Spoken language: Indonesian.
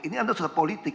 ini anda sudah politik